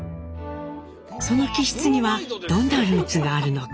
その気質にはどんなルーツがあるのか？